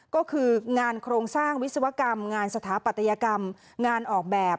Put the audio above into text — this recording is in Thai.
ก็คืองานโครงสร้างวิศวกรรมงานสถาปัตยกรรมงานออกแบบ